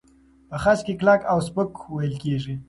په خج کې کلک او سپک وېل کېږي.